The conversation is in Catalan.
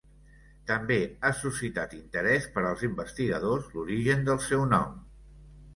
També ha suscitat interès per als investigadors l'origen del seu nom.